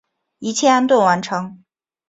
一切安顿完成